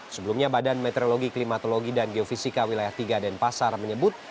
sebelumnya badan meteorologi klimatologi dan geofisika wilayah tiga denpasar menyebut